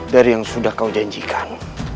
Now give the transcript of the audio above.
dari yang sudah kau janjikan